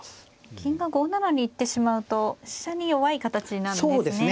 金が５七に行ってしまうと飛車に弱い形なんですね。